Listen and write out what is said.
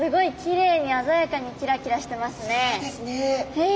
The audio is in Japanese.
へえ！